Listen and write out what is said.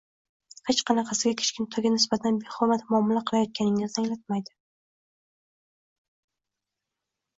hech qanaqasiga kichkintoyga nisbatan behurmat muomala qilayotganligingizni anglatmaydi